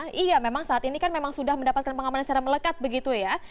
iya memang saat ini kan memang sudah mendapatkan pengamanan secara melekat begitu ya